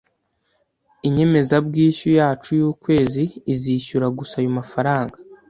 Inyemezabwishyu yacu yukwezi izishyura gusa ayo mafaranga.